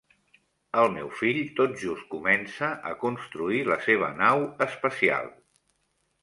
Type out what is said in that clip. El meu fill tot just comença a construir la seva nau espacial.